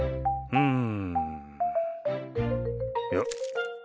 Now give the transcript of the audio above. うん。